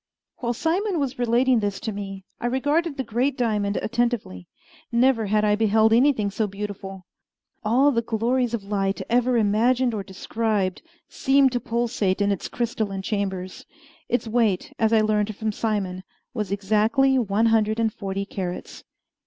While Simon was relating this to me, I regarded the great diamond attentively. Never had I beheld anything so beautiful. All the glories of light ever imagined or described seemed to pulsate in its crystalline chambers. Its weight, as I learned from Simon, was exactly one hundred and forty carats.